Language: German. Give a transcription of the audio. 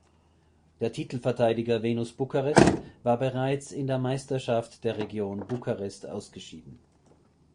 Der Titelverteidiger Venus Bukarest war bereits in der Meisterschaft der Region Bukarest ausgeschieden.